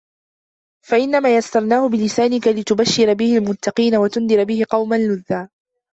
فإنما يسرناه بلسانك لتبشر به المتقين وتنذر به قوما لدا